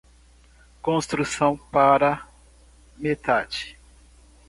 Construção para metade